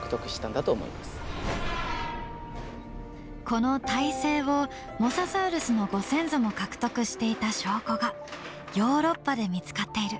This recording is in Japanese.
この胎生をモササウルスのご先祖も獲得していた証拠がヨーロッパで見つかっている。